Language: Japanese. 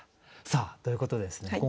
さあということでですね